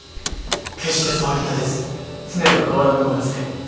決して騒ぎ立てず常と変わらぬご様子で。